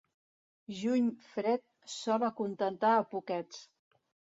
Juny fred, sol acontentar a poquets.